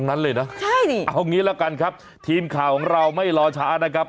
ช่วยด้วยใช่นี่เอางี้แล้วกันครับทีมข่าวของเราไม่รอช้านะครับ